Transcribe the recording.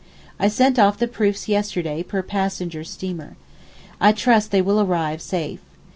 I sent off the proofs yesterday per passenger steamer. I trust they will arrive safe.